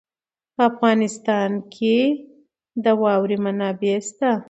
په افغانستان کې د واوره منابع شته.